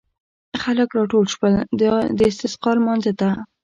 خلک راټول شول د استسقا لمانځه ته.